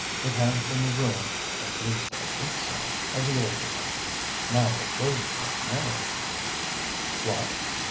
It has been the ruin (at least, I think so) of the older ones. Now that Josie has married— " "What!